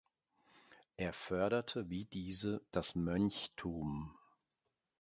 Er förderte wie diese das Mönchtum.